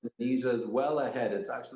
indonesia jauh lebih depan